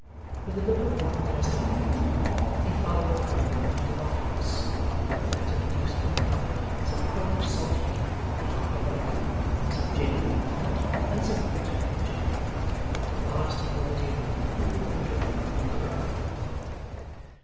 With the look of one just awakened, he followed Riderhood into the Lock house, where the latter produced from a cupboard some cold salt beef and half a loaf, some gin in a bottle, and some water in a jug. The last he brought in, cool and dripping, from the river.